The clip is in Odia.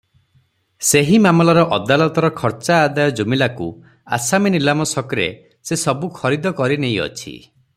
ସେହି ମାମଲାର ଅଦାଲତର ଖର୍ଚ୍ଚା ଆଦାୟ ଜୁମିଲାକୁ ଆସାମୀ ନିଲାମ ସକ୍ରେ ସେ ସବୁ ଖରିଦ କରିନେଇଅଛି ।